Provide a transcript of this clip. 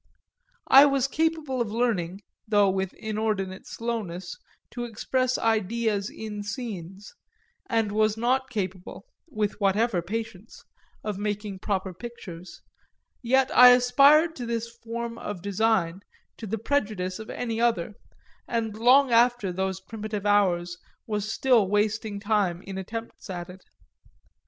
I was capable of learning, though with inordinate slowness, to express ideas in scenes, and was not capable, with whatever patience, of making proper pictures; yet I aspired to this form of design to the prejudice of any other, and long after those primitive hours was still wasting time in attempts at it.